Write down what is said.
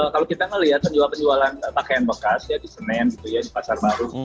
kalau kita melihat penjualan pakaian bekas di senen di pasar baru